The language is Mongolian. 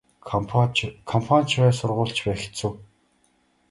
Компани ч бай сургууль ч бай хэцүү.